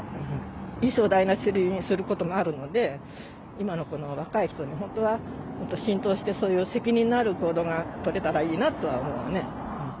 一生を台なしにすることもあるので、今の子の若い人に、本当はもっと浸透して、そういう責任のある行動が取れたらいいなとは思うね。